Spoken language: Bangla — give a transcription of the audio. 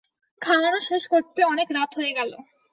খাওয়ানো শেষ করতে অনেক রাত হয়ে গেল।